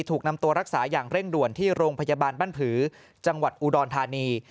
ถูกนำตัวรักษาอย่างเร่งด่วนที่โรงพยาบาลบ้านผือจังหวัดอุดรธานี